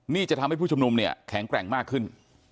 นี่จะทำให้ผู้ชุมนุมเนี่ยแข็งแกร่งมากขึ้น